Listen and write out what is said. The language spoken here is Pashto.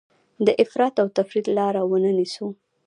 د افراط او تفریط لاره ونه نیسو.